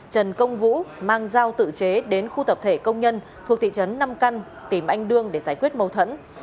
trần công vũ mang dao tự chế đến khu tập thể công nhân thuộc thị trấn năm căn tìm anh đương để giải quyết mâu thuẫn